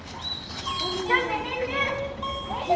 じゃあね練習！